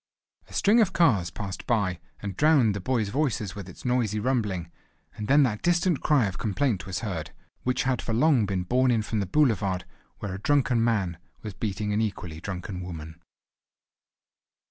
A string of cars passed by, and drowned the boys' voices with its noisy rumbling; and then that distant cry of complaint was heard, which had for long been borne in from the boulevard, where a drunken man was beating an equally drunken woman.